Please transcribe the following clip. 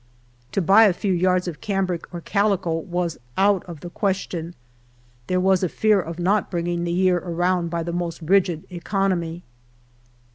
To buy a few yards of cambric or tjalico was out of the question ; there was a fear of not bringing the year around by the most rigid economy.